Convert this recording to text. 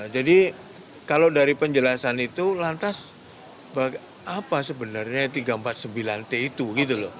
jadi kalau dari penjelasan itu lantas apa sebenarnya tiga ratus empat puluh sembilan t itu gitu loh